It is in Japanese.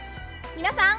皆さん。